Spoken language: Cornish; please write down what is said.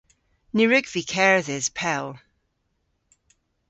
Ny wrug vy kerdhes pell.